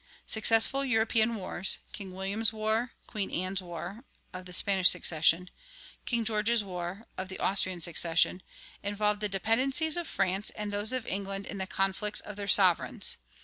Successive European wars King William's War, Queen Anne's War (of the Spanish succession), King George's War (of the Austrian succession) involved the dependencies of France and those of England in the conflicts of their sovereigns.